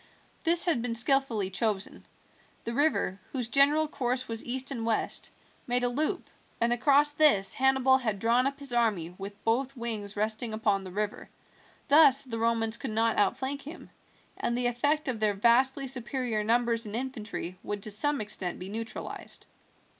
This had been skillfully chosen. The river, whose general course was east and west, made a loop, and across this Hannibal had drawn up his army with both wings resting upon the river. Thus the Romans could not outflank him, and the effect of their vastly superior numbers in infantry would to some extent be neutralized.